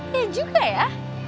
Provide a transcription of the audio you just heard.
ya juga ya